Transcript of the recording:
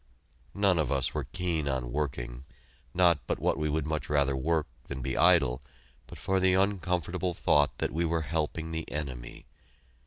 None of us were keen on working; not but what we would much rather work than be idle, but for the uncomfortable thought that we were helping the enemy.